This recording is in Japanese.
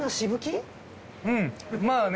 うんまあね